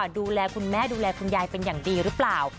ดูแลคุณแม่ดูแลคุณยายเป็นอย่างดีหรือเปล่า